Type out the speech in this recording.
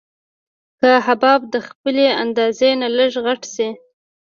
که حباب د خپلې اندازې نه لږ غټ شي.